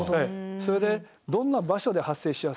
それでどんな場所で発生しやすいのか